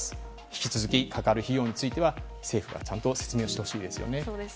引き続きかかる費用については政府がちゃんと説明してほしいですよね。